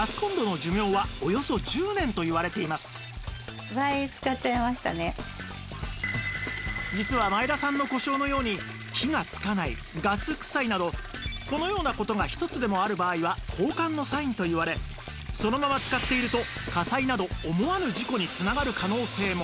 実は実は前田さんの故障のように火がつかないガスくさいなどこのような事が１つでもある場合は交換のサインといわれそのまま使っていると火災など思わぬ事故につながる可能性も！